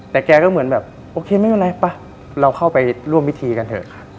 แต่แกก็เหมือนแบบโอเคไม่เป็นไรป่ะเราเข้าไปร่วมพิธีกันเถอะค่ะ